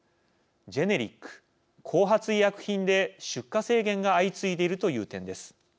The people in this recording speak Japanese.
ジェネリック＝後発医薬品で出荷制限が相次いでいるという点です。